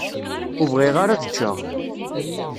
Ur bɣiɣ ara ad ččeɣ.